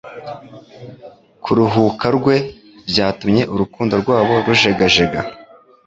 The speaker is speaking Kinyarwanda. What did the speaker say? kuruhuka rwe byatumye urukundo rwabo rujegajega